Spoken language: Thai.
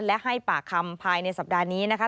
และให้ปากคำภายในสัปดาห์นี้นะคะ